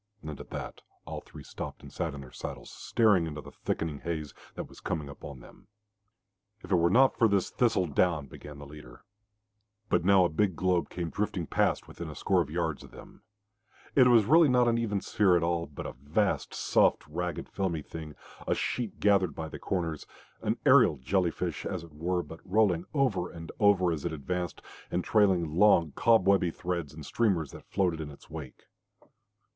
And at that, all three stopped and sat in their saddles, staring into the thickening haze that was coming upon them. "If it were not for this thistle down " began the leader. But now a big globe came drifting past within a score of yards of them. It was really not an even sphere at all, but a vast, soft, ragged, filmy thing, a sheet gathered by the corners, an aerial jelly fish, as it were, but rolling over and over as it advanced, and trailing long, cobwebby threads and streamers that floated in its wake.